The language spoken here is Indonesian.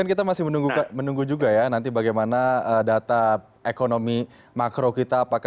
dan kita masih menunggu juga ya nanti bagaimana data ekonomi makro kita